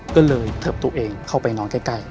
ก็เลยเทิบตัวเองเข้าไปนอนใกล้